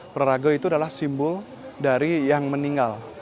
prarago itu adalah simbol dari yang meninggal